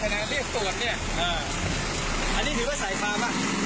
อันนี้ก็ถือว่าสายความ